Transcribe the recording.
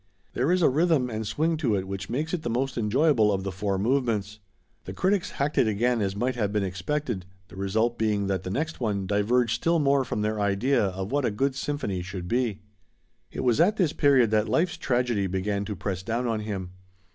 There is a rhythm and swing to it which makes it the most enjoyable of the four movements. The critics hacked it again as might have been expected, the result being that the next one diverged still more from their idea of what a good symphony should be. It was at this period that life's tragedy began to press down on him.